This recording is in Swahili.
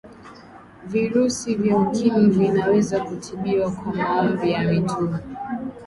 virusi vya ukimwi vinaweza kutibiwa kwa maombi ya mitume